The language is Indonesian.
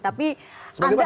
tapi anda adalah